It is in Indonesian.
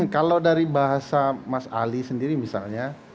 kalau dari bahasa mas ali sendiri misalnya